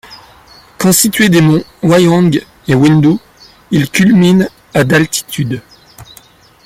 Constitué des monts Wayang et Windu, il culmine à d'altitude.